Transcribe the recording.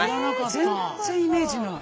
全然イメージない。